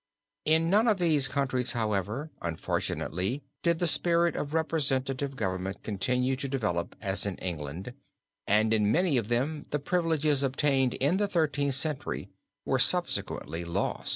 In none of these countries, however, unfortunately did the spirit of representative government continue to develop as in England and in many of them the privileges obtained in the Thirteenth Century were subsequently lost.